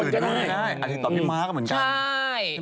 อาจจะติดต่อพี่ม๊าเหมือนกัน